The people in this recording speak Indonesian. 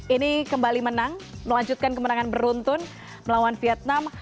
ini kembali menang melanjutkan kemenangan beruntun melawan vietnam